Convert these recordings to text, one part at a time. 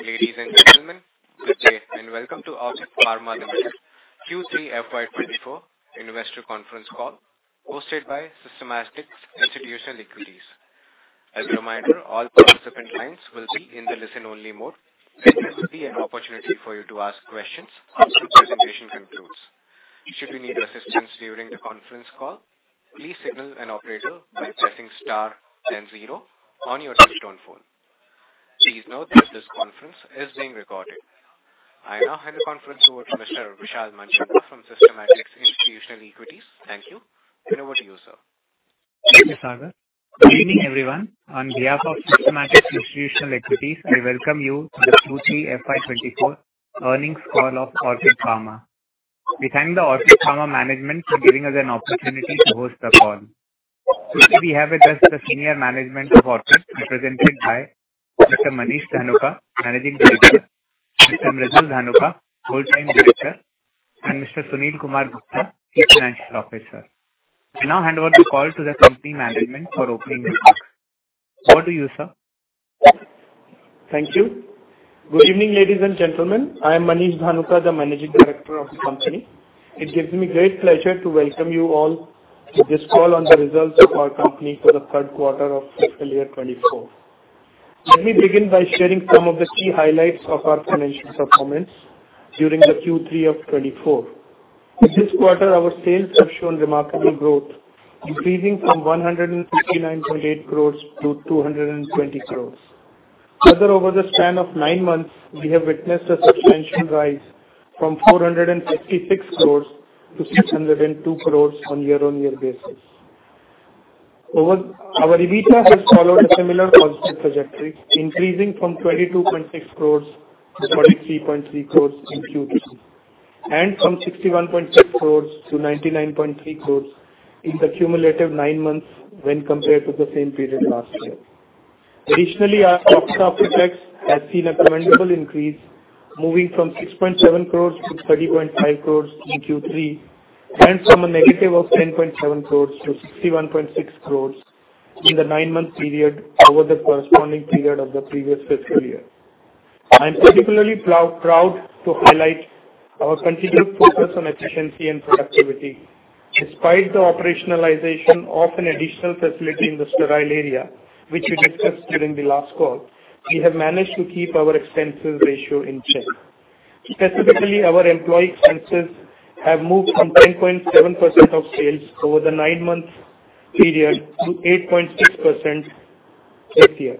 Ladies and gentlemen, good day and welcome to Orchid Pharma Ltd. Q3 FY 2024 investor conference call hosted by Systematix Institutional Equities. As a reminder, all participant lines will be in the listen-only mode, and this will be an opportunity for you to ask questions after the presentation concludes. Should you need assistance during the conference call, please signal an operator by pressing star and zero on your touchtone phone. Please note that this conference is being recorded. I now hand the conference over to Mr. Vishal Manchanda from Systematix Institutional Equities. Thank you, and over to you, sir. Thank you, Sargar. Good evening, everyone. On behalf of Systematix Institutional Equities, I welcome you to the Q3 FY 2024 earnings call of Orchid Pharma. We thank the Orchid Pharma management for giving us an opportunity to host the call. Today we have with us the senior management of Orchid, represented by Mr. Manish Dhanuka, Managing Director, Mr. Mridul Dhanuka, Full-Time Director, and Mr. Sunil Kumar Gupta, Chief Financial Officer. I now hand over the call to the company management for opening remarks. Over to you, sir. Thank you. Good evening, ladies and gentlemen. I am Manish Dhanuka, the Managing Director of the company. It gives me great pleasure to welcome you all to this call on the results of our company for the third quarter of fiscal year 2024. Let me begin by sharing some of the key highlights of our financial performance during the Q3 of 2024. In this quarter, our sales have shown remarkable growth, increasing from 159.8 crores to 220 crores. Further, over the span of nine months, we have witnessed a substantial rise from 456 crores to 602 crores on a year-on-year basis. Our EBITDA has followed a similar positive trajectory, increasing from 22.6 crores to 43.3 crores in Q3, and from 61.6 crores to 99.3 crores in the cumulative nine months when compared to the same period last year. Additionally, our profit after tax has seen a commendable increase, moving from 6.7 crores to 30.5 crores in Q3, and from a negative of 10.7 crores to 61.6 crores in the nine-month period over the corresponding period of the previous fiscal year. I am particularly proud to highlight our continued focus on efficiency and productivity. Despite the operationalization of an additional facility in the sterile area, which we discussed during the last call, we have managed to keep our expenses ratio in check. Specifically, our employee expenses have moved from 10.7% of sales over the nine-month period to 8.6% this year.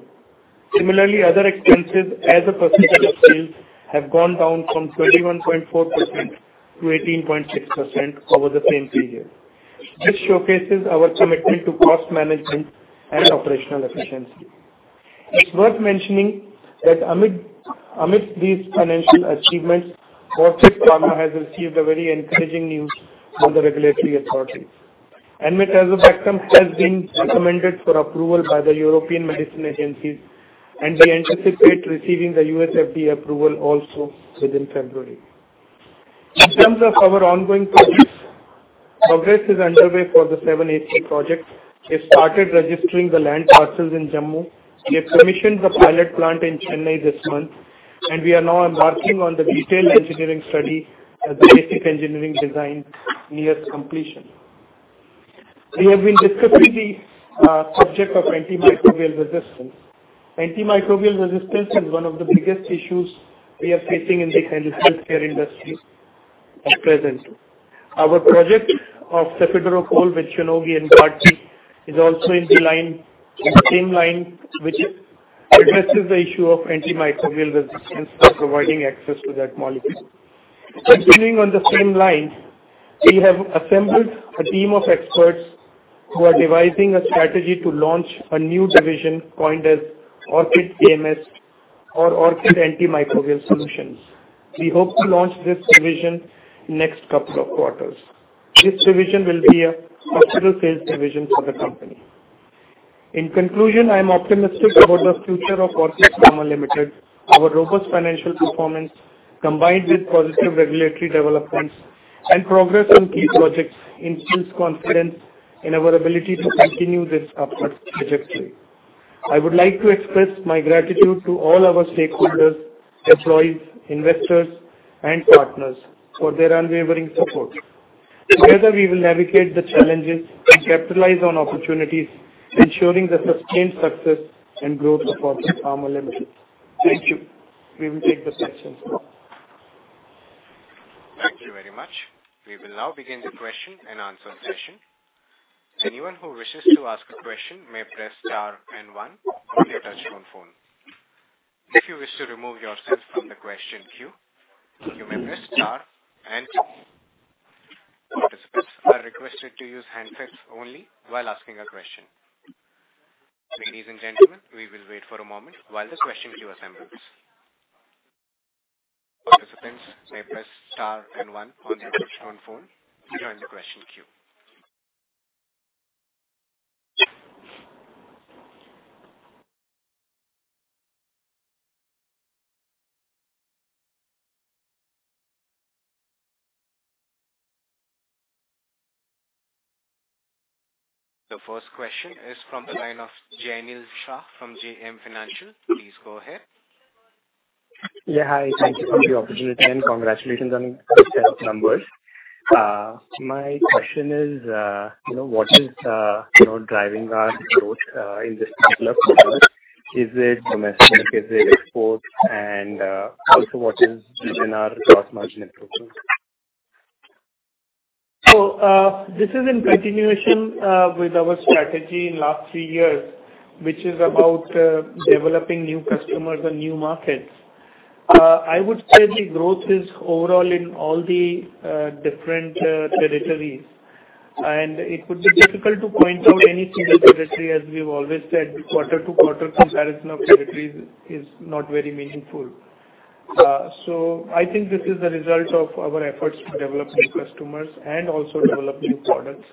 Similarly, other expenses as a percentage of sales have gone down from 21.4% to 18.6% over the same period. This showcases our commitment to cost management and operational efficiency. It's worth mentioning that amidst these financial achievements, Orchid Pharma has received very encouraging news from the regulatory authorities. Enmetazobactam has been recommended for approval by the European Medicines Agency, and we anticipate receiving the US FDA approval also within February. In terms of our ongoing projects, progress is underway for the 7-ACA project. We have started registering the land parcels in Jammu. We have commissioned the pilot plant in Chennai this month, and we are now embarking on the detailed engineering study as the basic engineering design nears completion. We have been discussing the subject of antimicrobial resistance. Antimicrobial resistance is one of the biggest issues we are facing in the healthcare industry at present. Our project of cefiderocol with Shionogi and GARDP is also in the same line, which addresses the issue of antimicrobial resistance by providing access to that molecule. Continuing on the same line, we have assembled a team of experts who are devising a strategy to launch a new division coined as Orchid AMS, or Orchid Antimicrobial Solutions. We hope to launch this division in the next couple of quarters. This division will be a hospital sales division for the company. In conclusion, I am optimistic about the future of Orchid Pharma Ltd. Our robust financial performance, combined with positive regulatory developments and progress on key projects, instills confidence in our ability to continue this upward trajectory. I would like to express my gratitude to all our stakeholders, employees, investors, and partners for their unwavering support. Together, we will navigate the challenges and capitalize on opportunities, ensuring the sustained success and growth of Orchid Pharma Ltd. Thank you. We will take the questions. Thank you very much. We will now begin the question and answer session. Anyone who wishes to ask a question may press star and one on their touch-tone phone. If you wish to remove yourself from the question queue, you may press star and two. Participants are requested to use hands-free only while asking a question. Ladies and gentlemen, we will wait for a moment while the question queue assembles. Participants may press star and one on their touch-tone phone to join the question queue. The first question is from the line of Jainil Shah from JM Financial. Please go ahead. Yeah, hi. Thank you for the opportunity, and congratulations on the set of numbers. My question is, what is driving our growth in this particular product? Is it domestic? Is it export? And also, what has driven our cost margin improvement? So this is in continuation with our strategy in the last three years, which is about developing new customers and new markets. I would say the growth is overall in all the different territories, and it would be difficult to point out any single territory. As we've always said, quarter-to-quarter comparison of territories is not very meaningful. So I think this is a result of our efforts to develop new customers and also develop new products.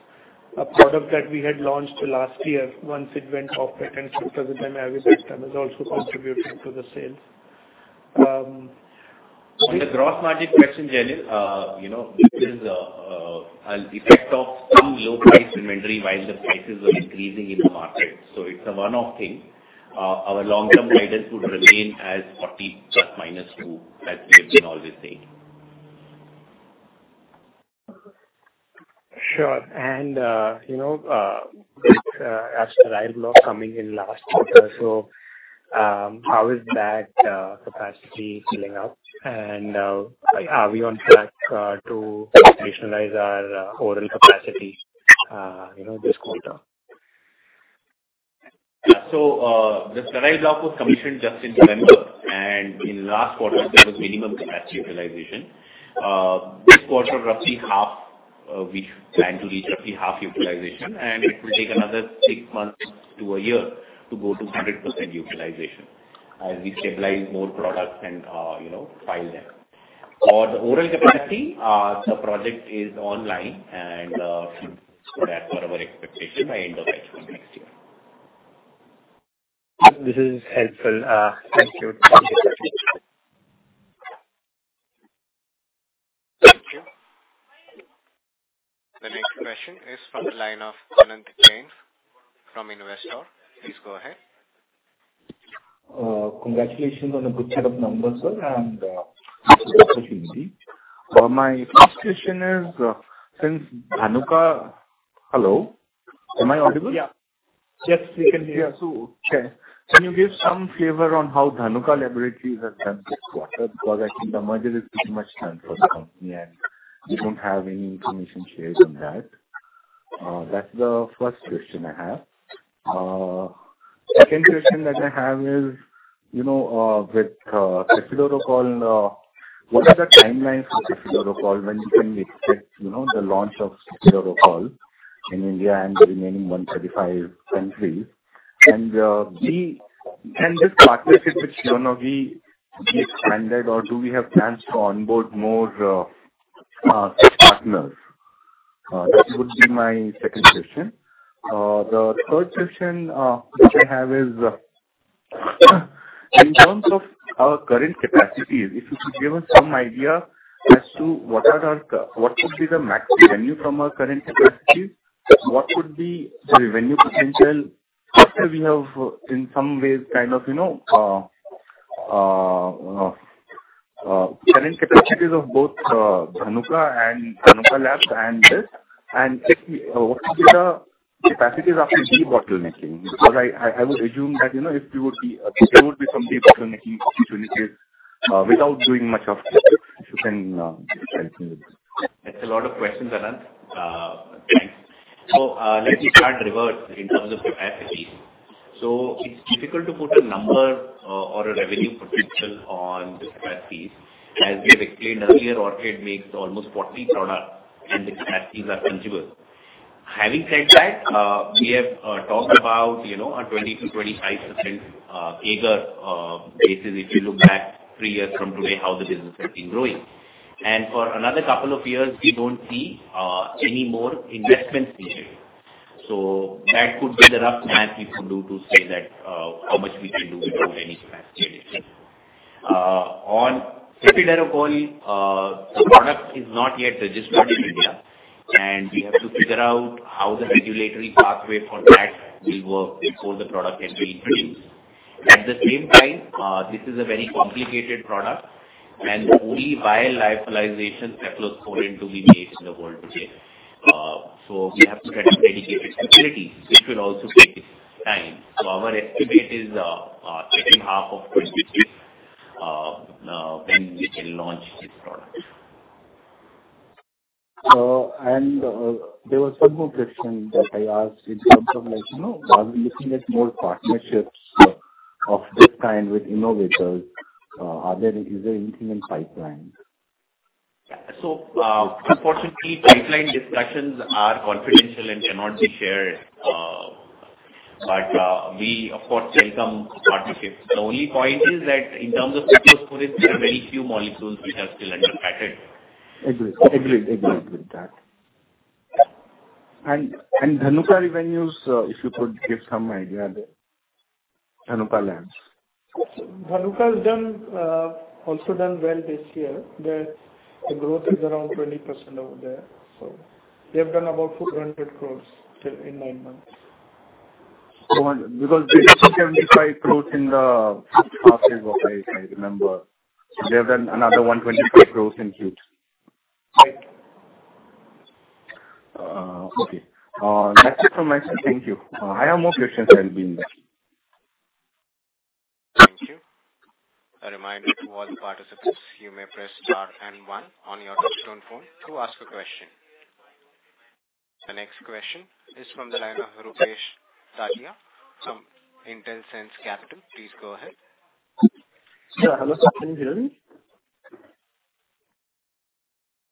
A product that we had launched last year, once it went off-rate, and since present time, Enmetazobactam is also contributing to the sales. On the gross margin question, Jainil, this is an effect of some low-price inventory while the prices are increasing in the market. So it's a one-off thing. Our long-term guidance would remain as 40 ± 2, as we have been always saying. Sure. You know, Sterile Block coming in last quarter, so how is that capacity filling up? Are we on track to operationalize our overall capacity this quarter? So the Sterile Block was commissioned just in December, and in the last quarter, there was minimum capacity utilization. This quarter, roughly half, we plan to reach roughly half utilization, and it will take another six months to a year to go to 100% utilization as we stabilize more products and file them. For the overall capacity, the project is online, and we'll see that per our expectation by the end of H1 next year. This is helpful. Thank you. Thank you. The next question is from the line of Anant Jain from Investor. Please go ahead. Congratulations on a good set of numbers, sir, and thanks for the opportunity. My first question is, since Dhanuka hello, am I audible? Yeah. Yes, we can hear you. Yeah. So can you give some flavor on how Dhanuka Laboratories has done this quarter? Because I think the merger is pretty much done for the company, and we don't have any information shared on that. That's the first question I have. The second question that I have is, with cefiderocol, what is the timeline for cefiderocol when we can expect the launch of cefiderocol in India and the remaining 135 countries? And can this partnership with Shionogi be expanded, or do we have plans to onboard more such partners? That would be my second question. The third question that I have is, in terms of our current capacities, if you could give us some idea as to what could be the max revenue from our current capacities, what would be the revenue potential after we have, in some ways, kind of current capacities of both Dhanuka Labs and this? And what would be the capacities after debottlenecking? Because I would assume that if there would be some debottlenecking opportunities without doing much of this, if you can help me with that. That's a lot of questions, Anant. Thanks. So let me start reverse in terms of capacities. So it's difficult to put a number or a revenue potential on the capacities. As we have explained earlier, Orchid makes almost 40 products, and the capacities are consumable. Having said that, we have talked about a 20%-25% CAGR basis if you look back three years from today, how the business has been growing. And for another couple of years, we don't see any more investments needed. So that could be the rough math we could do to say how much we can do without any capacity addition. On cefiderocol, the product is not yet registered in India, and we have to figure out how the regulatory pathway for that will work before the product can be introduced. At the same time, this is a very complicated product, and only via lyophilization cephalosporin to be made in the world today. So we have to set up dedicated facilities, which will also take time. So our estimate is second half of 2026 when we can launch this product. There was one more question that I asked in terms of, while we're looking at more partnerships of this kind with innovators, is there anything in pipeline? Unfortunately, pipeline discussions are confidential and cannot be shared. We, of course, welcome partnerships. The only point is that in terms of cephalosporins, there are very few molecules which are still under patent. Agreed. Agreed. Agreed with that. And Dhanuka revenues, if you could give some idea there, Dhanuka Labs? Dhanuka has also done well this year. The growth is around 20% over there. So they have done about 400 crore in nine months. Because they did 75 crore in the H1 phase, if I remember, they have done another 125 crore in Q2. Right. Okay. That's it from my side. Thank you. I have more questions than being there. Thank you. A reminder to all the participants, you may press star and one on your touch-tone phone to ask a question. The next question is from the line of Rupesh Tatiya from Intelsense Capital. Please go ahead. Yeah. Hello. Can you hear me?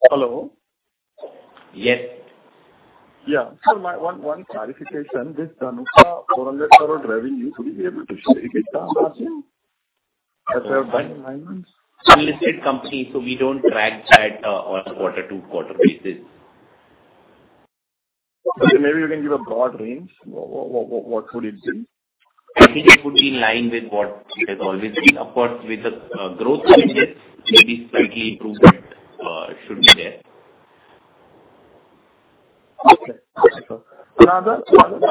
Hello? Yes. Yeah. Sir, one clarification. This Dhanuka, INR 400 crore revenue, would you be able to share it with us, as same, as we have done in nine months? Unlisted company, so we don't track that on a quarter-to-quarter basis. Okay. Maybe you can give a broad range of what would it be? I think it would be in line with what has always been. Of course, with the growth changes, maybe slightly improvement should be there. Okay. Another,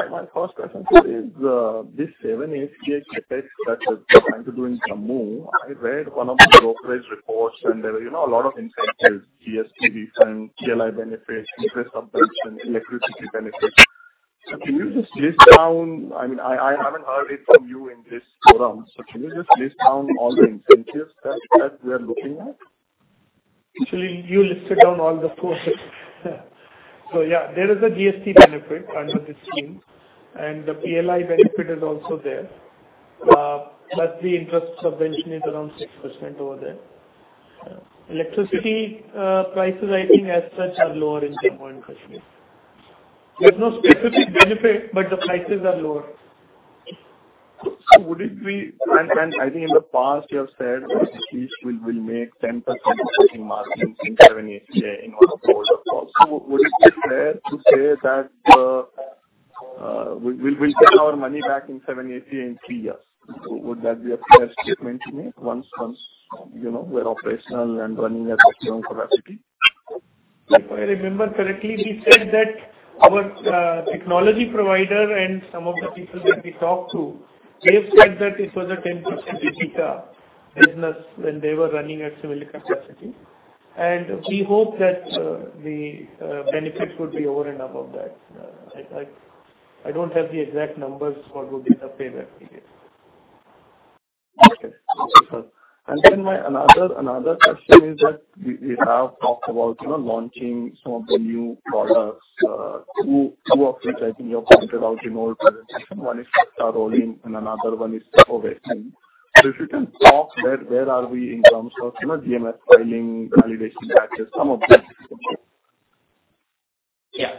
my first question to you is, this 7-ACA CapEx that we're trying to do in Jammu, I read one of the brokerage reports, and there were a lot of incentives: GST refund, PLI benefits, interest subvention, electricity benefits. So can you just list down, I mean, I haven't heard it from you in this forum, so can you just list down all the incentives that we are looking at? Actually, you listed down all the four. So yeah, there is a GST benefit under the scheme, and the PLI benefit is also there. Plus, the interest subvention is around 6% over there. Electricity prices, I think, as such are lower in Jammu and Kashmir. There's no specific benefit, but the prices are lower. So would it be, and I think in the past, you have said that at least we will make 10% of margin in 7-ACA in one of the older calls. So would it be fair to say that we'll get our money back in 7-ACA in three years? Would that be a fair statement to make once we're operational and running at the current capacity? If I remember correctly, we said that our technology provider and some of the people that we talked to, they have said that it was a 10% EBITDA business when they were running at similar capacity. We hope that the benefits would be over and above that. I don't have the exact numbers what would be the payback period. Okay. Thank you, sir. And then another question is that we have talked about launching some of the new products, two of which I think you have pointed out in your presentation. One is Ceftaroline, and another one is Cefditoren. So if you can talk, where are we in terms of DMF filing, validation batches, some of these? Yeah.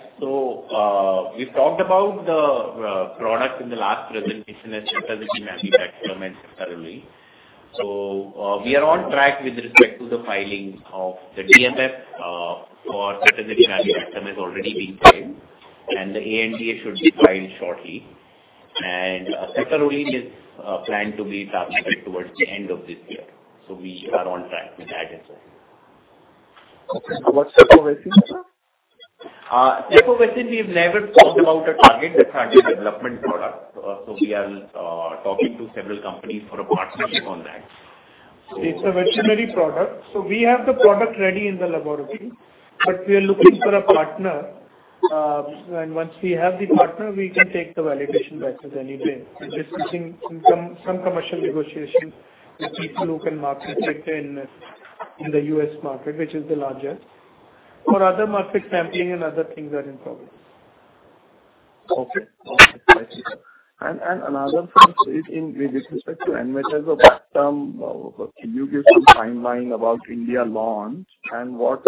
We've talked about the product in the last presentation as Cefepime Magnipexum and Ceftaroline. We are on track with respect to the filing of the DMF. For Cefepime Magnipexum, it's already been filed, and the ANDA should be filed shortly. Ceftaroline is planned to be targeted towards the end of this year. We are on track with that as well. Okay. What's Ceftaroline? Ceftaroline, we've never talked about a target. That's under development product. So we are talking to several companies for a partnership on that. It's a veterinary product. We have the product ready in the laboratory, but we are looking for a partner. Once we have the partner, we can take the validation batches anyway and discussing some commercial negotiations with people who can market it in the U.S. market, which is the largest. For other markets, sampling and other things are in progress. Okay. Okay. I see. And another thing is, with respect to Enmetazobactam, can you give some timeline about India launch and what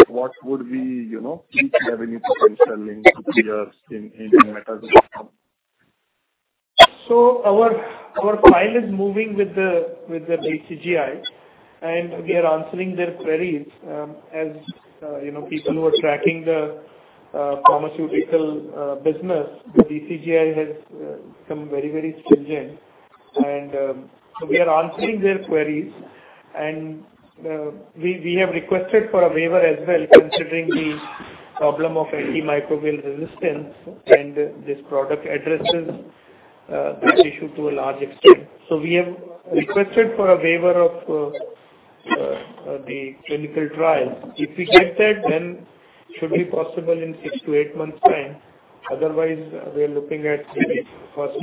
would be each revenue potential linked to PRs in Enmetazobactam? Our file is moving with the DCGI, and we are answering their queries. As people who are tracking the pharmaceutical business, the DCGI has become very, very stringent. We are answering their queries. We have requested for a waiver as well considering the problem of antimicrobial resistance, and this product addresses that issue to a large extent. We have requested for a waiver of the clinical trial. If we get that, then should be possible in 6-8 months time. Otherwise, we are looking at the first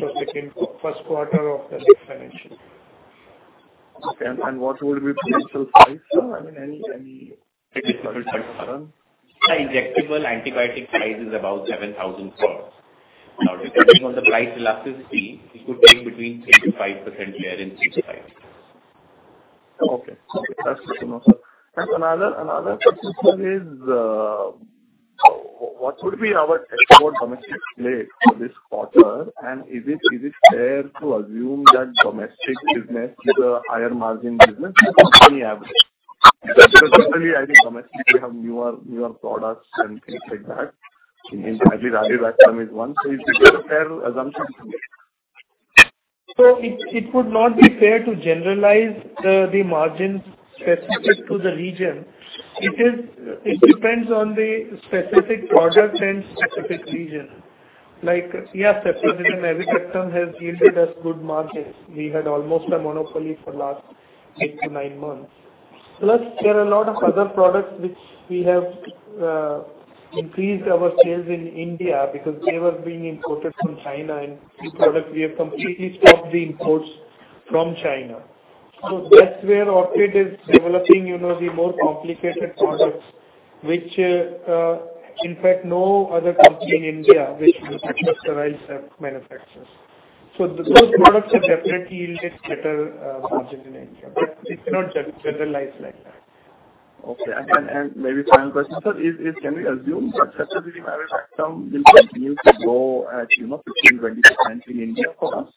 quarter of the next financial year. Okay. What would be the potential price, sir? I mean, any technical? Injectable antibiotic price is about 7,000 crore. Now, depending on the price elasticity, we could take between 3%-5% share in cUTI. Okay. That's good to know, sir. And another question here is, what would be our export domestic play for this quarter? And is it fair to assume that domestic business is a higher margin business than company average? Because currently, I think domestically, we have newer products and things like that. In India, Avibactam is one. So is it a fair assumption to make? It would not be fair to generalize the margins specific to the region. It depends on the specific product and specific region. Yeah, Cefepime Magnipexum has yielded us good margins. We had almost a monopoly for the last 8-9 months. Plus, there are a lot of other products which we have increased our sales in India because they were being imported from China, and some products, we have completely stopped the imports from China. That's where Orchid is developing the more complicated products, which, in fact, no other company in India which manufactures. Those products have definitely yielded better margin in India, but we cannot generalize like that. Okay. Maybe final question, sir, is, can we assume that Cefepime Magnipexum will continue to grow at 15%-20% in India for us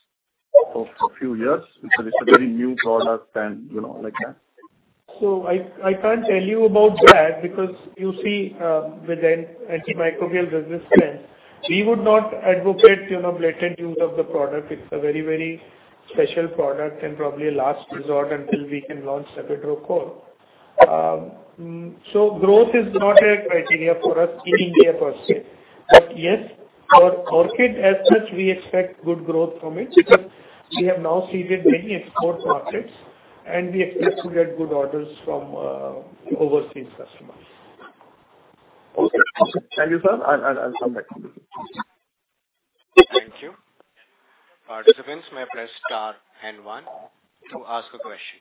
for a few years because it's a very new product, like that? So I can't tell you about that because, you see, with antimicrobial resistance, we would not advocate blatant use of the product. It's a very, very special product and probably a last resort until we can launch cefiderocol. So growth is not a criteria for us in India per se. But yes, for Orchid, as such, we expect good growth from it because we have now seated many export markets, and we expect to get good orders from overseas customers. Okay. Thank you, sir. I'll come back to you. Thank you. Participants, may I press star and one to ask a question?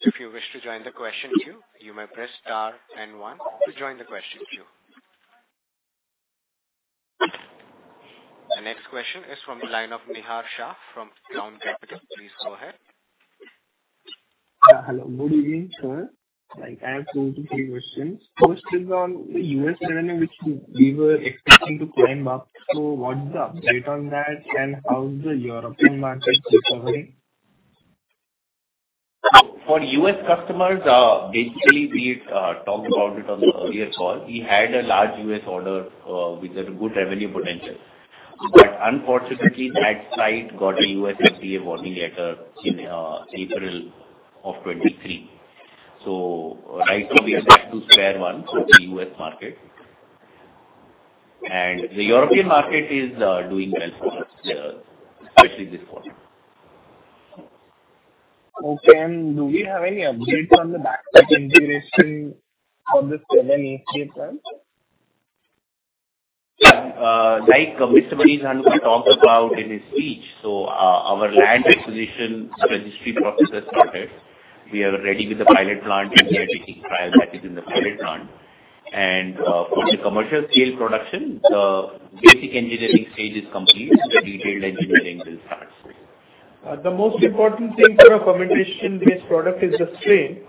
If you wish to join the question queue, you may press star and one to join the question queue. The next question is from the line of Nihar Shah from Crown Capital. Please go ahead. Hello. Good evening, sir. I have two to three questions. First is on the U.S. revenue, which we were expecting to climb up. So what's the update on that, and how's the European market recovering? For U.S. customers, basically, we talked about it on the earlier call. We had a large U.S. order with a good revenue potential. But unfortunately, that site got a U.S. FDA warning letter in April of 2023. So right now, we have back to square one for the U.S. market. And the European market is doing well for us, especially this quarter. Okay. Do we have any updates on the backward integration for the 7-ACA plant? Like Mr. Manish Dhanuka talked about in his speech, so our land acquisition registry process has started. We are ready with the pilot plant. We are taking trial batches in the pilot plant. And for the commercial-scale production, the basic engineering stage is complete. The detailed engineering will start soon. The most important thing for a fermentation-based product is the strain.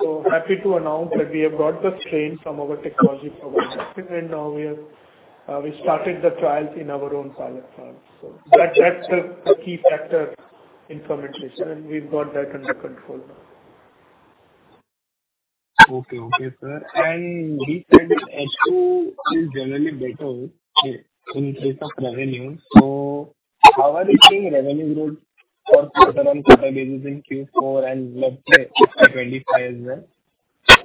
So happy to announce that we have got the strain from our technology provider, and now we started the trials in our own pilot plant. So that's the key factor in fermentation, and we've got that under control now. Okay. Okay, sir. And we said that H2 is generally better in terms of revenue. So how are you seeing revenue growth for quarter-on-quarter basis in Q4 and, let's say, Q2 as well?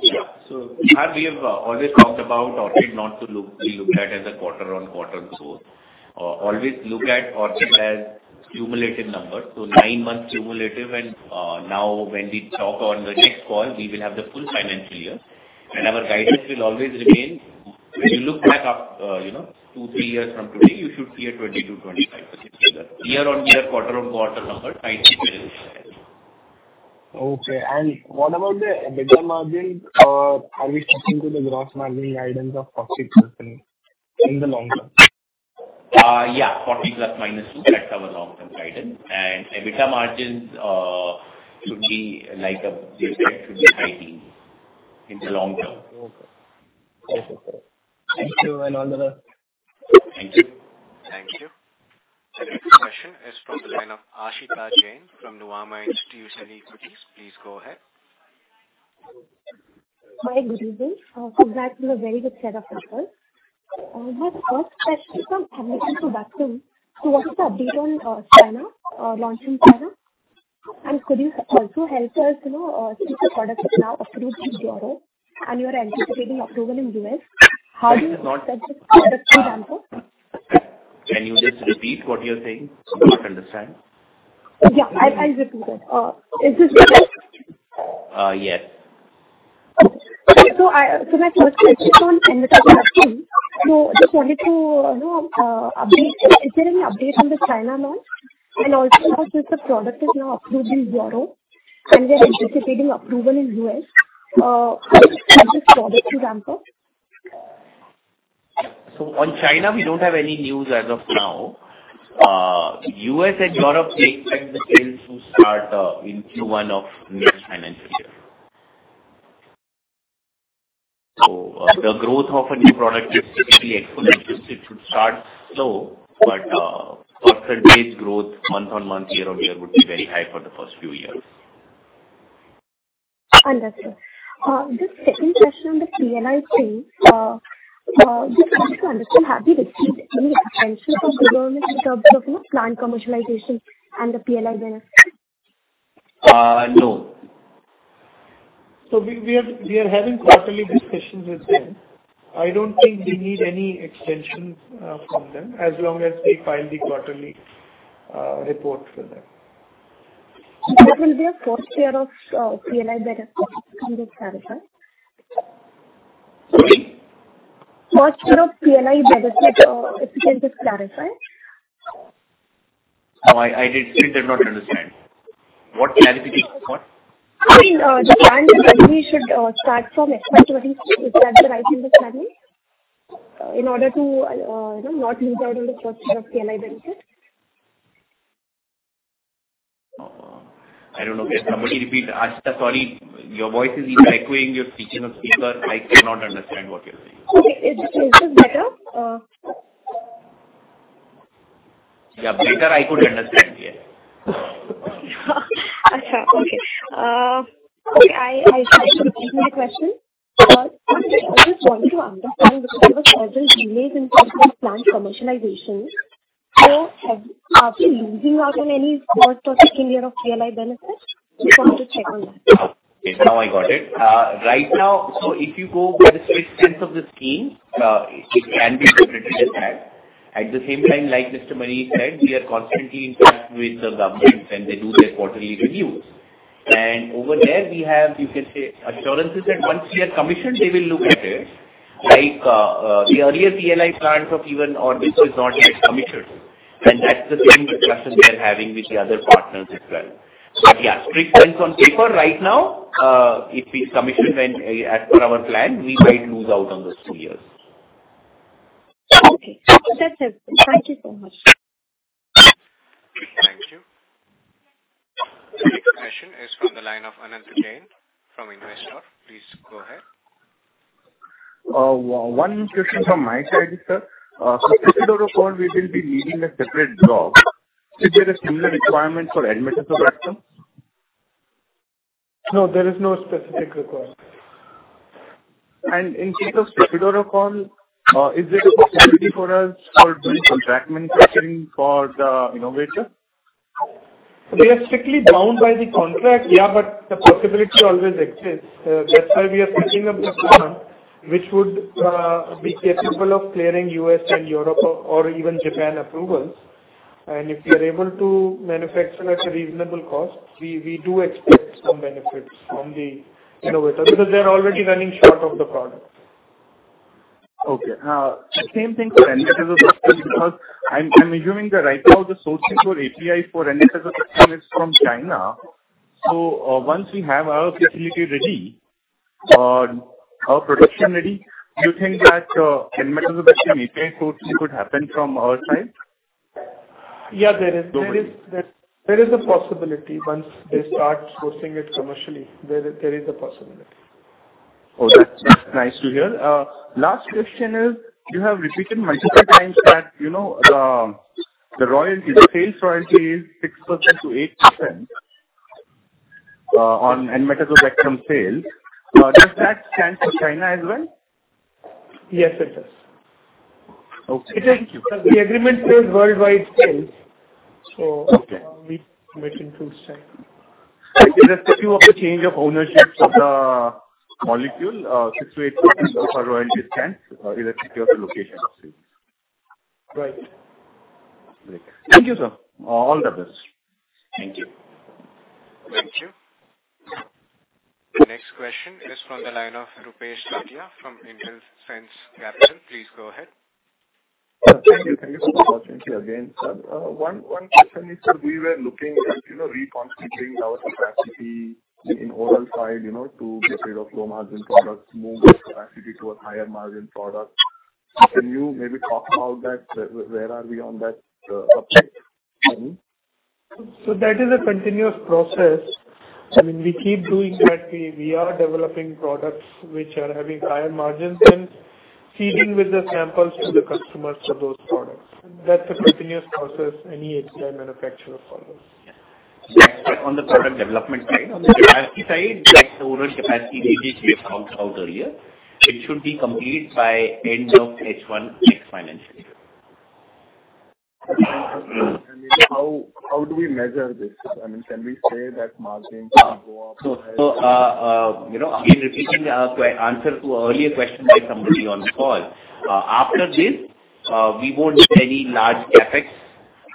Yeah. So we have always talked about Orchid not to be looked at as a quarter-on-quarter growth. Always look at Orchid as cumulative numbers. 9 months cumulative. And now when we talk on the next call, we will have the full financial year. And our guidance will always remain, "When you look back 2, 3 years from today, you should see a 20%-25% figure." Year-on-year, quarter-on-quarter numbers might be very sharp. Okay. What about the EBITDA margin? Are we sticking to the gross margin guidance of 40% in the long term? Yeah. 40 ± 2. That's our long-term guidance. And EBITDA margins should be like you said, should be higher in the long term. Okay. Okay. Thank you and all the rest. Thank you. Thank you. The next question is from the line of Aashita Jain from Nuvama Institutional Equities. Please go ahead. Hi. Good evening. Congrats on a very good set of results. My first question is from Enmetazobactam. So what is the update on launch in China? And could you also help us see if the product is now approved in Europe, and you're anticipating approval in the US? How do you perceive this product too, Dhanuka? Can you just repeat what you're saying? I did not understand. Yeah. I'll repeat it. Is this the question? Yes. Okay. So my first question is on Enmetazobactam. So I just wanted to update. Is there any update on the China launch? And also, since the product is now approved in EU, and we're anticipating approval in the US, is this product too Dhanuka? On China, we don't have any news as of now. U.S. and Europe expect the sales to start in Q1 of next financial year. The growth of a new product is typically exponential. It should start slow, but percentage growth month-on-month, year-on-year, would be very high for the first few years. Understood. This second question on the PLI thing, just wanted to understand, have we received any attention from the government in terms of plant commercialization and the PLI benefits? No. We are having quarterly discussions with them. I don't think we need any extension from them as long as we file the quarterly report for them. There will be a first year of PLI benefits. Can you clarify? Sorry? First year of PLI benefits. If you can just clarify? No, I didn't understand. What clarification? What? I mean, the plant revenue should start from X by 2022. Is that the right understanding? In order to not lose out on the first year of PLI benefits? I don't know. Can somebody repeat? Ashita, sorry. Your voice is echoing. You're speaking on speaker. I cannot understand what you're saying. Okay. Is this better? Yeah. Better. I could understand. Yes. Okay. Okay. I should repeat the question. I just wanted to understand because there was several delays in terms of plant commercialization. So are we losing out on any first or second year of PLI benefits? I just wanted to check on that. Okay. Now I got it. Right now, so if you go by a strict sense of the scheme, it can be separately attached. At the same time, like Mr. Manish said, we are constantly in touch with the government, and they do their quarterly reviews. And over there, we have, you can say, assurances that once we are commissioned, they will look at it. Like the earlier PLI plants or even Orchid was not yet commissioned. And that's the same discussion they're having with the other partners as well. But yeah, strict sense on paper right now, if we commission as per our plan, we might lose out on those two years. Okay. That's helpful. Thank you so much. Thank you. The next question is from the line of Anant Jain from Investor. Please go ahead. One question from my side, sir. For Cefiderocol, we will be needing a separate job. Is there a similar requirement for Enmetazobactam? No, there is no specific requirement. In case of Cefiderocol, is it a possibility for us to do contract manufacturing for the innovator? We are strictly bound by the contract, yeah, but the possibility always exists. That's why we are setting up this plant, which would be capable of clearing U.S. and Europe or even Japan approvals. And if we are able to manufacture at a reasonable cost, we do expect some benefits from the innovator because they're already running short of the product. Okay. Same thing for Enmetazobactam because I'm assuming that right now, the sourcing for API for Enmetazobactam is from China. So once we have our facility ready, our production ready, do you think that Enmetazobactam API sourcing could happen from our side? Yeah, there is. There is a possibility. Once they start sourcing it commercially, there is a possibility. Oh, that's nice to hear. Last question is, you have repeated multiple times that the sales royalty is 6%-8% on enmetazobactam sales. Does that stand for China as well? Yes, it does. It is because the agreement says worldwide sales, so we commit to China. Is there a status of change of ownership of the molecule, 6%-8% of a royalty structure, irrespective of the location of sales? Right. Great. Thank you, sir. All the best. Thank you. Thank you. The next question is from the line of Rupesh Tatiya from Intelsense Capital. Please go ahead. Thank you. Thank you for the opportunity again, sir. One question is, sir, we were looking at reconstituting our capacity in oral side to get rid of low-margin products, move that capacity to a higher-margin product. Can you maybe talk about that? Where are we on that update? That is a continuous process. I mean, we keep doing that. We are developing products which are having higher margins and feeding with the samples to the customers for those products. That's a continuous process any H1 manufacturer follows. On the product development side, on the capacity side, like the oral capacity we just talked about earlier, it should be complete by end of H1 next financial year. I mean, how do we measure this? I mean, can we say that margins will go up? So again, repeating the answer to an earlier question by somebody on the call, after this, we won't need any large CapEx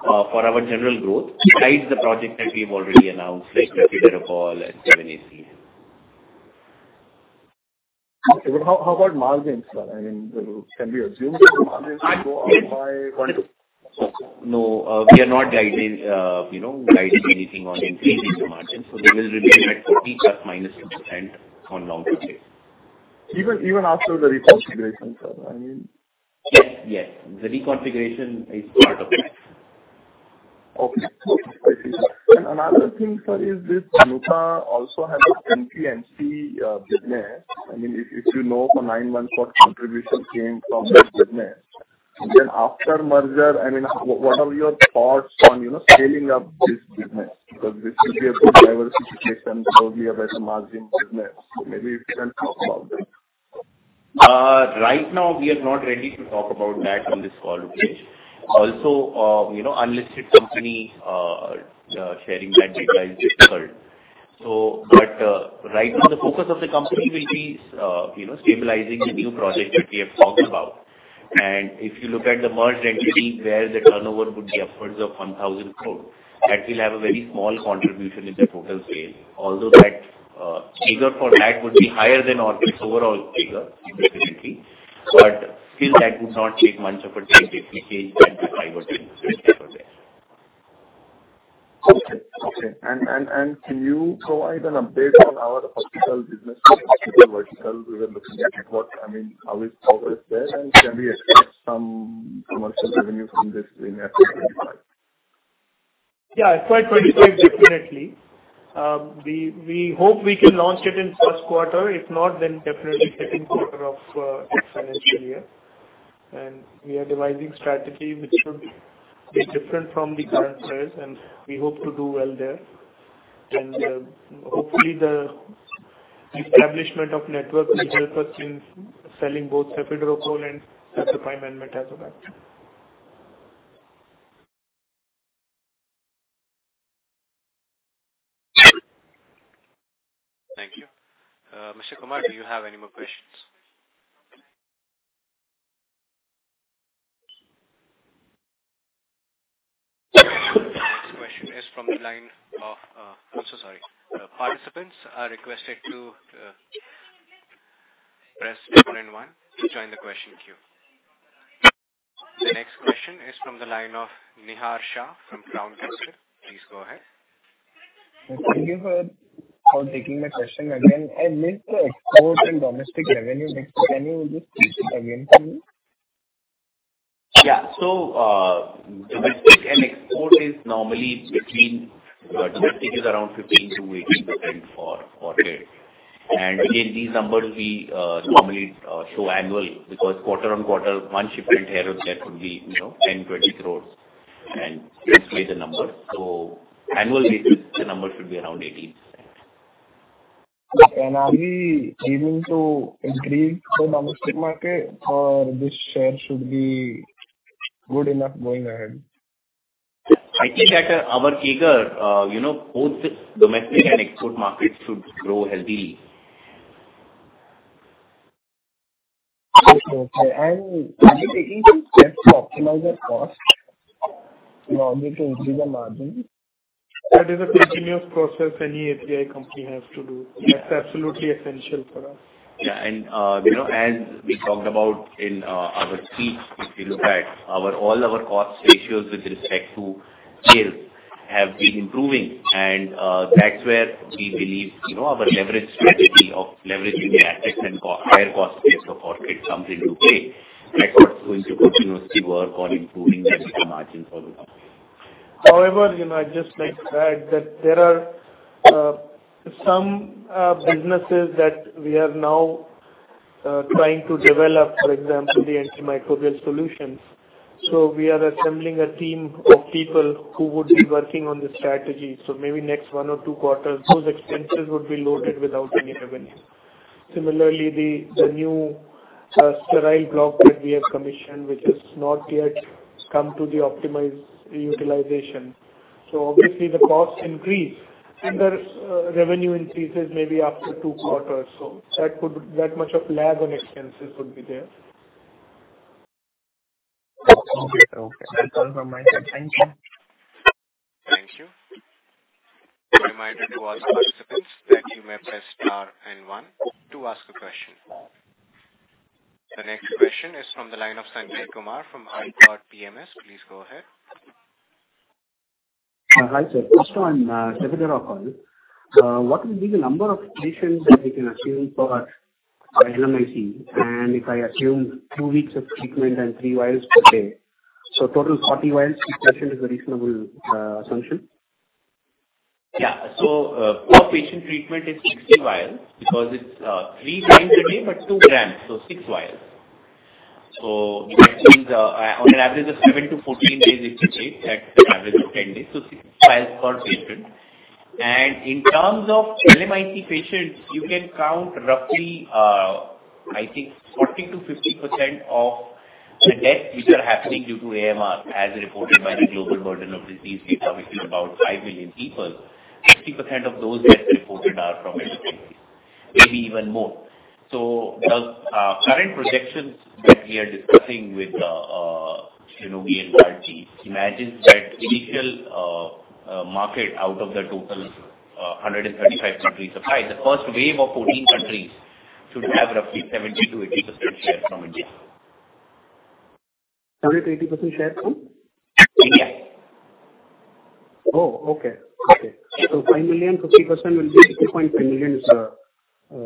for our general growth besides the project that we have already announced, like Cefiderocol and 7-ACA. How about margins, sir? I mean, can we assume that the margins will go up by? No, we are not guiding anything on increasing the margins. So they will remain at 40 ± 2% on long-term basis. Even after the reconfiguration, sir? I mean. Yes. Yes. The reconfiguration is part of that. Okay. I see. And another thing, sir, is this Dhanuka also has an NCE business. I mean, if you know for nine months what contribution came from this business, then after merger, I mean, what are your thoughts on scaling up this business because this could be a good diversification, probably a better margin business? So maybe if you can talk about that. Right now, we are not ready to talk about that on this call, Rupesh. Also, unlisted company sharing that data is difficult. But right now, the focus of the company will be stabilizing the new project that we have talked about. And if you look at the merged entity, where the turnover would be upwards of 1,000 crore, that will have a very small contribution in the total scale. Although that figure for that would be higher than Orchid's overall figure, definitely. But still, that would not take much of a time if we change that to 5% or 10% over there. Okay. Can you provide an update on our vertical business? Vertical, we were looking at what I mean, how is progress there, and can we expect some commercial revenue from this in FY25? Yeah. FY 2025, definitely. We hope we can launch it in first quarter. If not, then definitely second quarter of next financial year. And we are devising a strategy which should be different from the current players, and we hope to do well there. And hopefully, the establishment of network will help us in selling both Cefiderocol and Cefepime Enmetazobactam. Thank you. Mr. Kumar, do you have any more questions? The next question is from the line of. Participants are requested to press one and one to join the question queue. The next question is from the line of Nihar Shah from Crown Capital. Please go ahead. Thank you for taking my question again. I missed the export and domestic revenue. Can you just repeat it again for me? Yeah. So domestic and export is normally between domestic is around 15%-18% for Orchid. And again, these numbers we normally show annual because quarter-on-quarter, one shipment here or there could be 10 crore, 20 crore, and this way the numbers. So annual basis, the number should be around 18%. Okay. And are we aiming to increase the domestic market, or this share should be good enough going ahead? I think that our figure, both domestic and export markets should grow healthily. Okay. Okay. And are we taking some steps to optimize our cost in order to increase our margins? That is a continuous process any API company has to do. That's absolutely essential for us. Yeah. As we talked about in our speech, if you look at all our cost ratios with respect to sales, have been improving. That's where we believe our leverage strategy of leveraging the assets and higher cost rates of Orchid comes into play. That's what's going to continuously work on improving the margins for the company. However, I'd just like to add that there are some businesses that we are now trying to develop, for example, the antimicrobial solutions. So we are assembling a team of people who would be working on the strategy. So maybe next one or two quarters, those expenses would be loaded without any revenue. Similarly, the new sterile block that we have commissioned, which has not yet come to the optimized utilization. So obviously, the costs increase, and the revenue increases maybe after two quarters. So that much of a lag on expenses would be there. Okay. Okay. That's all from my side. Thank you. Thank you. A reminder to all the participants that you may press star and one to ask a question. The next question is from the line of Sanjay Kumar from ithoughtPMS. Please go ahead. Hi, sir. First on Cefiderocol. What will be the number of patients that we can assume for LMIC? If I assume two weeks of treatment and three vials per day, so total 40 vials each patient is a reasonable assumption? Yeah. So per patient treatment is 60 vials because it's three times a day but 2 grams, so 6 vials. So that means on an average of 7-14 days, if you take that average of 10 days, so 6 vials per patient. And in terms of LMIC patients, you can count roughly, I think, 40%-50% of the deaths which are happening due to AMR as reported by the Global Burden of Disease data, which is about 5 million people. 60% of those deaths reported are from H1 disease, maybe even more. So the current projections that we are discussing with Shionogi and GARDP, imagine that initial market out of the total 135 countries applied, the first wave of 14 countries should have roughly 70%-80% share from India. 70%-80% share from? India. Oh, okay. Okay. So 5 million 50% will be 2.5 million is the target market? Ha. In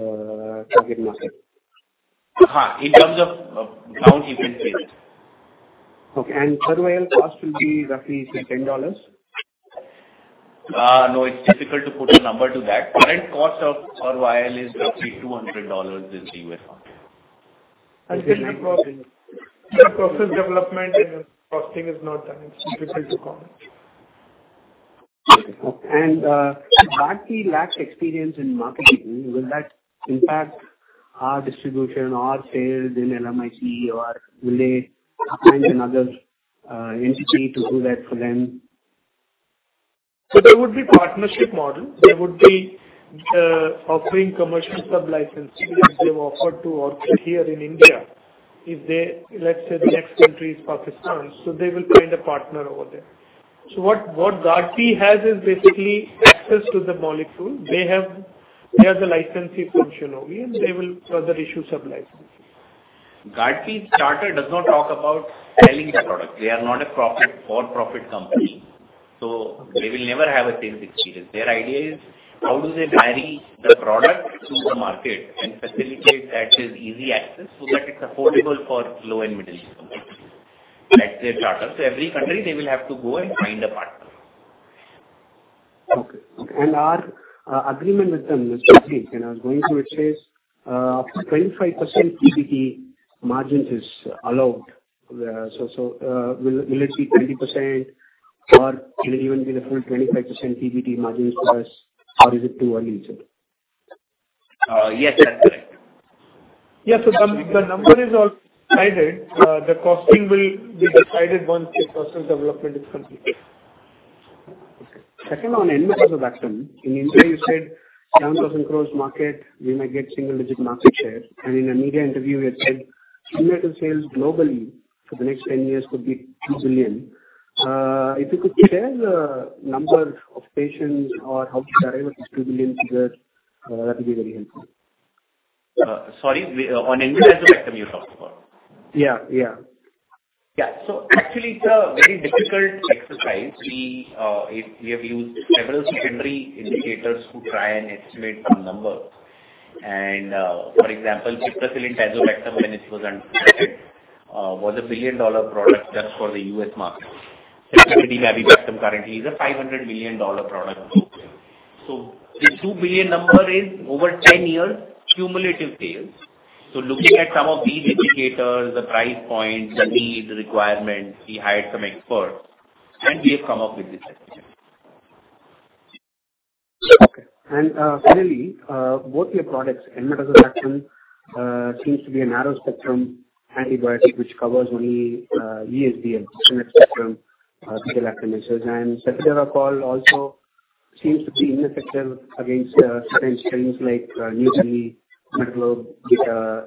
terms of count, you can see it. Okay. Per vial cost will be roughly $10? No, it's difficult to put a number to that. Current cost of per vial is roughly $200 in the US market. Until the process development and costing is not done, it's difficult to comment. Okay. GARDP lacks experience in marketing. Will that impact our distribution, our sales in LMIC, or will they find another entity to do that for them? So there would be a partnership model. There would be offering commercial sublicense if they've offered to Orchid here in India. Let's say the next country is Pakistan, so they will find a partner over there. So what GARDP has is basically access to the molecule. They are the licensee from Shionogi, and they will further issue sublicenses. GARDP's charter does not talk about selling the product. They are not a for-profit company. They will never have a sales experience. Their idea is, how do they marry the product to the market and facilitate that there's easy access so that it's affordable for low- and middle-income countries? That's their charter. Every country, they will have to go and find a partner. Okay. Okay. Our agreement with them, Mr. Rupesh, and I was going through it says, "25% PBT margin is allowed." So will it be 20%, or can it even be the full 25% PBT margin plus, or is it too early, sir? Yes, that's correct. Yeah. So the number is all decided. The costing will be decided once the process development is completed. Okay. Second on Enmetazobactam, in India, you said 7,000 crore market, we might get single-digit market share. In a media interview, you had said cumulative sales globally for the next 10 years could be $2 billion. If you could share the number of patients or how to derive this $2 billion figure, that would be very helpful. Sorry. On Enmetazobactam, you talked about? Yeah. Yeah. Yeah. So actually, it's a very difficult exercise. We have used several secondary indicators to try and estimate some numbers. For example, Piperacillin-Tazobactam, when it was understood, was a billion-dollar product just for the U.S. market. Ceftazidime-Avibactam currently is a $500 million product in Tokyo. So this $2 billion number is over 10 years cumulative sales. So looking at some of these indicators, the price points, the need, the requirements, we hired some experts, and we have come up with this estimate. Okay. And finally, both your products, Enmetazobactam seems to be a narrow-spectrum antibiotic which covers only ESBL and. In that spectrum, beta-lactamases. And Cefiderocol also seems to be ineffective against certain strains like New Delhi Metallo-beta-lactamases and a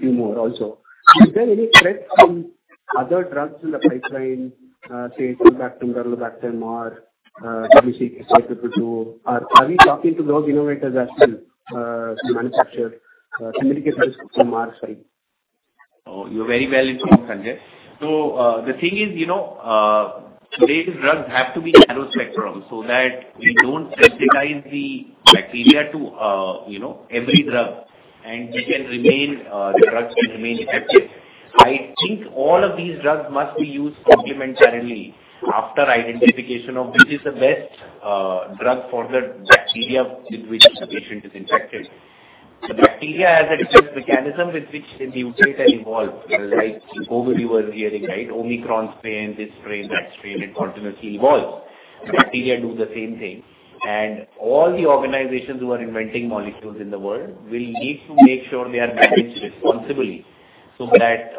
few more also. Is there any threat from other drugs in the pipeline, say, Sulbactam, Durlobactam, or WCK 5222? Are we talking to those innovators as well, the manufacturer, communicating this with them? Oh, you're very well informed, Sanjay. So the thing is, today's drugs have to be narrow-spectrum so that we don't sensitize the bacteria to every drug, and the drugs can remain effective. I think all of these drugs must be used complementarily after identification of which is the best drug for the bacteria with which the patient is infected. The bacteria has its own mechanism with which they mutate and evolve. Like COVID, you were hearing, right? Omicron strain, this strain, that strain. It continuously evolves. The bacteria do the same thing. All the organizations who are inventing molecules in the world will need to make sure they are managed responsibly so that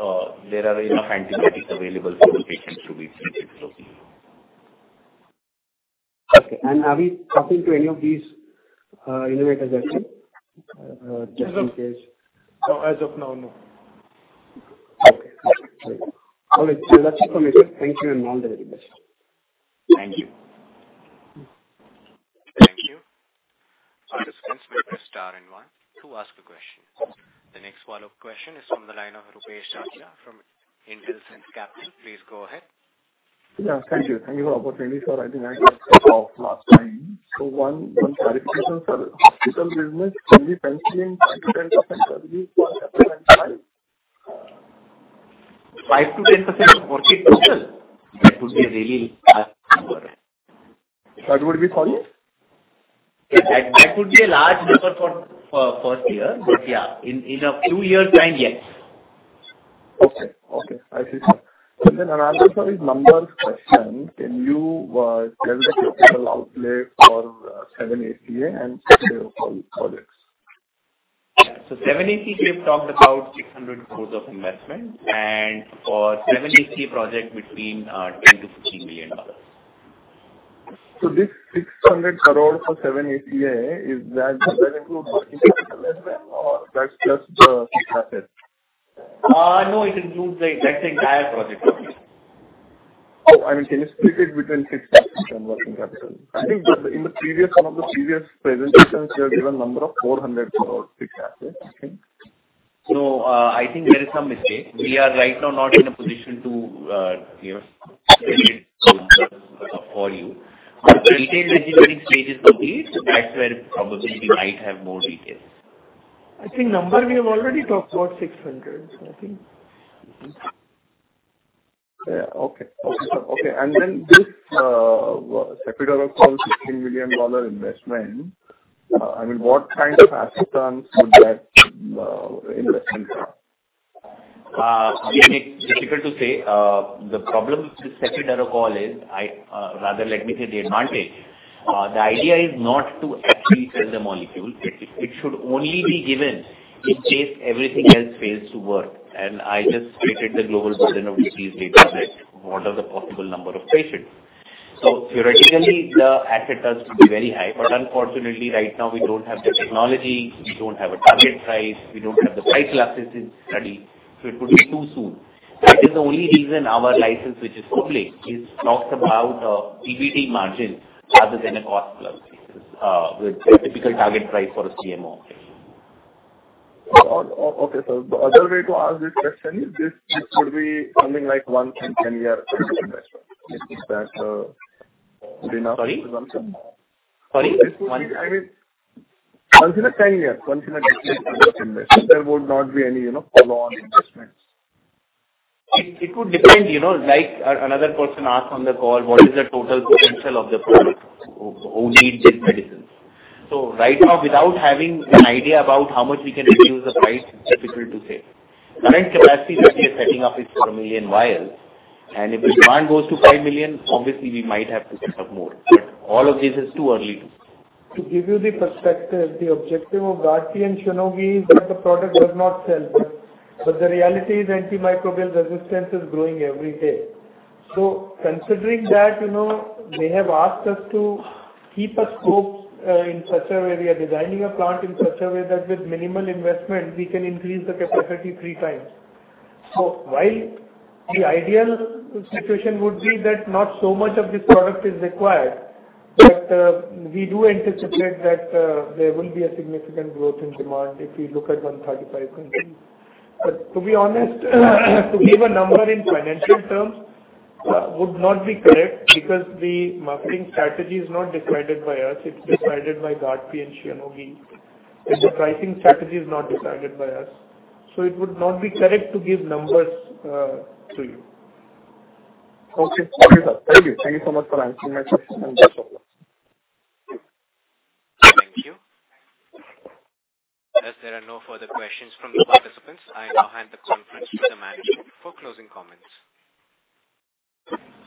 there are enough antibiotics available for the patients to be treated locally. Okay. Are we talking to any of these innovators as well, just in case? As of now, no. Okay. All right. All right. So that's information. Thank you and all the very best. Thank you. Thank you. Participants may press star and one to ask a question. The next follow-up question is from the line of Rupesh Tatiya from Intelsense Capital. Please go ahead. Yeah. Thank you. Thank you for the opportunity, sir. I think I had to call last time. So one clarification, sir. Hospital business, can we pencil in 5%-10% of these for Cefepime FY25? 5%-10% of Orchid total? That would be a really high number. That would be? Sorry? That would be a large number for first year. But yeah, in a few years' time, yes. Okay. Okay. I see, sir. And then another, sir, is number question. Can you tell the capital outlay for 7-ACA and 6-APA projects? Yeah. So 7-ACA, we've talked about 600 crore of investment, and for 7-ACA project, between $10-$15 million. So this 600 crore for 7-ACA, does that include working capital as well, or that's just the fixed assets? No, it includes the entire project cost. Oh, I mean, can you split it between fixed assets and working capital? I think in one of the previous presentations, you have given a number of 400 crore fixed assets, I think. No, I think there is some mistake. We are right now not in a position to split it for you. But the detailed engineering stage is complete. That's where probably we might have more details. I think number, we have already talked about 600. I think. Okay, sir. And then this Cefiderocol $15 million investment, I mean, what kind of assets would that investment have? I mean, it's difficult to say. The problem with the Cefiderocol is rather, let me say the advantage. The idea is not to actually sell the molecule. It should only be given in case everything else fails to work. And I just stated the Global Burden of Disease dataset, what are the possible number of patients. So theoretically, the asset tells me to be very high. But unfortunately, right now, we don't have the technology. We don't have a target price. We don't have the price elasticity study. So it would be too soon. That is the only reason our license, which is public, talks about a PBT margin rather than a cost plus with a typical target price for a CMO. Okay, sir. The other way to ask this question is, this would be something like 1-10-year investment. Is that good enough? Sorry? Consider 1-10-year. Sorry? I mean, consider 10 years. Consider 10 years investment. There would not be any follow-on investments. It would depend. Like another person asked on the call, what is the total potential of the product who needs this medicine? So right now, without having an idea about how much we can reduce the price, it's difficult to say. Current capacity that we are setting up is 4 million vials. And if the demand goes to 5 million, obviously, we might have to set up more. But all of this is too early to. To give you the perspective, the objective of GARDP and Shionogi is that the product does not sell. But the reality is antimicrobial resistance is growing every day. So considering that, they have asked us to keep a scope in such a way, we are designing a plant in such a way that with minimal investment, we can increase the capacity three times. So while the ideal situation would be that not so much of this product is required, but we do anticipate that there will be a significant growth in demand if we look at 135 countries. But to be honest, to give a number in financial terms would not be correct because the marketing strategy is not decided by us. It's decided by GARDP and Shionogi. And the pricing strategy is not decided by us. So it would not be correct to give numbers to you. Okay. Okay, sir. Thank you. Thank you so much for answering my question. Best of luck. Thank you. As there are no further questions from the participants, I now hand the conference to the manager for closing comments.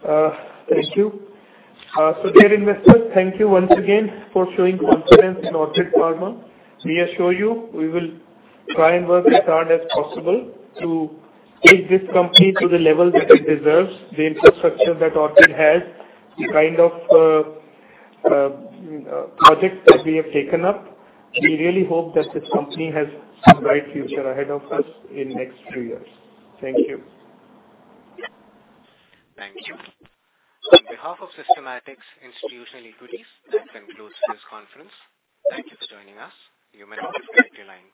Thank you. So dear investors, thank you once again for showing confidence in Orchid Pharma. We assure you, we will try and work as hard as possible to take this company to the level that it deserves, the infrastructure that Orchid has, the kind of projects that we have taken up. We really hope that this company has some bright future ahead of us in the next few years. Thank you. Thank you. On behalf of Systematix Institutional Equities, that concludes this conference. Thank you for joining us. You may now disconnect your line.